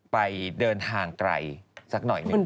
ไปเดินทางไกลสักหน่อยหนึ่ง